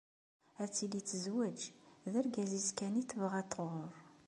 Ad tili tezweǧ, d argaz-is kan i tebɣa ad tɣurr.